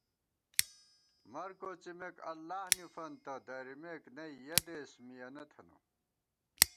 مر کوڅِمېک اللہ نی فنتہ، درِمېک نئ یَہ دېس مِیَنہ تھنہ